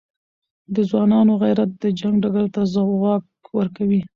د ځوانانو غیرت د جنګ ډګر ته ځواک ورکوي.